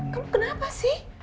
kamu kenapa sih